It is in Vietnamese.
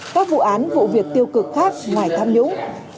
các vụ án vụ việc tiêu cực khác ngoài tham nhũng